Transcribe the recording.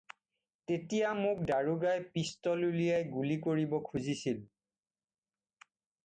তেতিয়া মোক দাৰোগাই পিষ্টল উলিয়াই গুলী কৰিব খুজিছিল